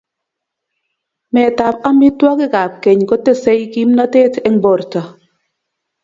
Metap amitwogikap keny ko tesei kimnatet eng porto